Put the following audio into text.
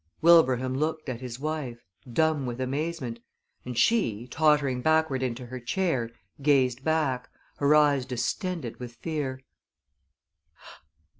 Wilbraham looked at his wife, dumb with amazement, and she, tottering backward into her chair, gazed back, her eyes distended with fear.